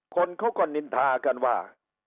คนเขาก็นินทากันว่า